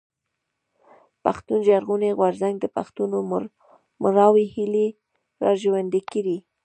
پښتون ژغورني غورځنګ د پښتنو مړاوي هيلې را ژوندۍ کړې.